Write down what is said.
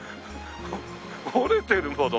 折れてるもの。